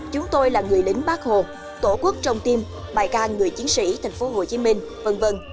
chúng tôi là người lính bác hồ tổ quốc trong tim bài ca người chiến sĩ thành phố hồ chí minh v v